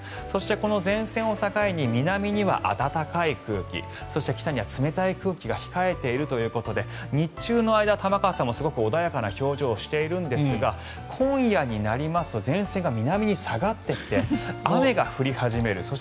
そして、この前線を境に南には暖かい空気そして、北には冷たい空気が控えているということで日中の間、玉川さんもすごく穏やかな表情をしているんですが今夜になりますと前線が南に下がってきて雨が降り始める。